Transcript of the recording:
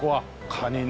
カニね。